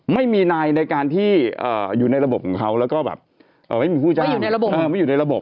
ไม่มีนายในการที่อยู่ในระบบของเขาไม่อยู่ในระบบ